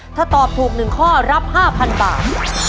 ถ้าตอบถูก๑ข้อรับ๕๐๐๐บาท